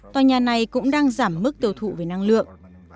tòa nhà này cũng đang giảm mức tiêu thụ về năng lượng